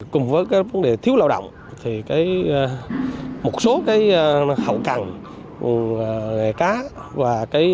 cùng với vấn đề thiếu lao động một số hậu cằn về cá